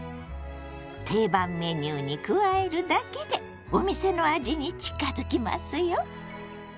定番メニューに加えるだけでお店の味に近づきますよ！